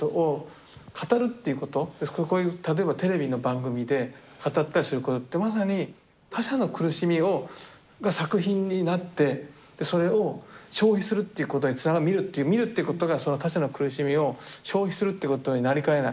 こういう例えばテレビの番組で語ったりすることってまさに他者の苦しみが作品になってそれを消費するっていうことにつながる見るっていうことがその他者の苦しみを消費するっていうことになりかねない。